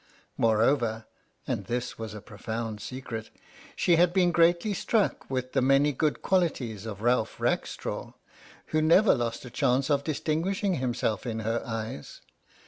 Moreover (and this was a profound secret) she had been greatly struck with the many good qualities of Ralph Rackstraw, who never lost a chance of distinguishing himself in her eyes.